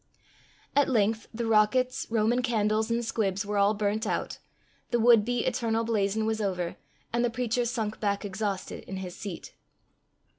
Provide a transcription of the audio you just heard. At length the rockets, Roman candles, and squibs were all burnt out, the would be "eternal blazon" was over, and the preacher sunk back exhausted in his seat.